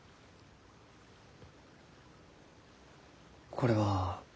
これは？